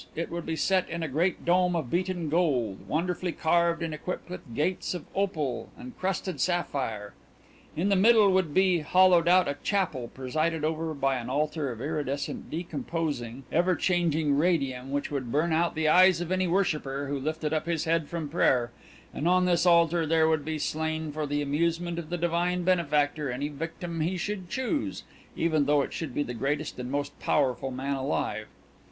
It would be set in a great dome of beaten gold, wonderfully carved and equipped with gates of opal and crusted sapphire. In the middle would be hollowed out a chapel presided over by an altar of iridescent, decomposing, ever changing radium which would burn out the eyes of any worshipper who lifted up his head from prayer and on this altar there would be slain for the amusement of the Divine Benefactor any victim He should choose, even though it should be the greatest and most powerful man alive.